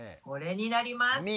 これになります。